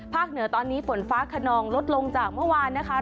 เหนือตอนนี้ฝนฟ้าขนองลดลงจากเมื่อวานนะคะ